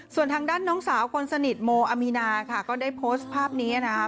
ส่วนทางด้านน้องสาวคนสนิทโมอามีนาค่ะก็ได้โพสต์ภาพนี้นะคะ